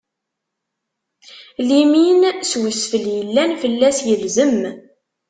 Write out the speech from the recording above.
Limin s usfel yellan fell-as ilzem.